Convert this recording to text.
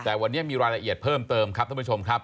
แต่วันนี้มีรายละเอียดเพิ่มเติมครับท่านผู้ชมครับ